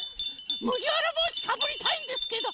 むぎわらぼうしかぶりたいんですけど。